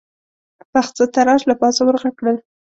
پخڅه تراش له پاسه ور غږ کړل: